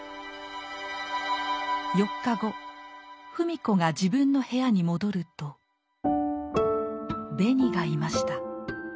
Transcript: ４日後芙美子が自分の部屋に戻るとベニがいました。